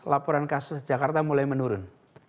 laporan kasus jakarta mulai menurun